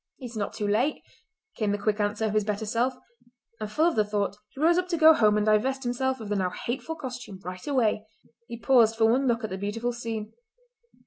"It is not too late," came the quick answer of his better self; and full of the thought, he rose up to go home and divest himself of the now hateful costume right away. He paused for one look at the beautiful scene.